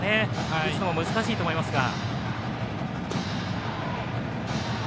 打つのも難しいと思いますが。